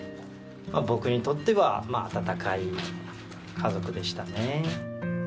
僕にとっては温かい家族でしたね。